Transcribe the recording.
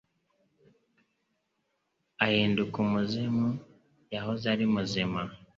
Ahinduka umuzimu Yahoze ari muzima.